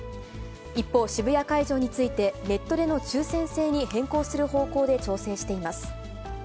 一方、渋谷会場について、ネットでの抽せん制に変更する方向で調整しています。